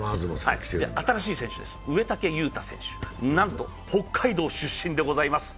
新しい選手です、植竹勇太選手、なんと、北海道出身でございます。